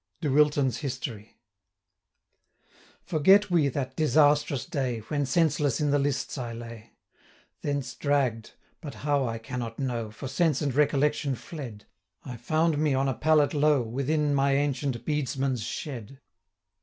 De Wilton's History. 'Forget we that disastrous day, When senseless in the lists I lay. 170 Thence dragg'd, but how I cannot know, For sense and recollection fled, I found me on a pallet low, Within my ancient beadsman's shed.